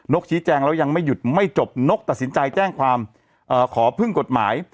กชี้แจงแล้วยังไม่หยุดไม่จบนกตัดสินใจแจ้งความขอพึ่งกฎหมาย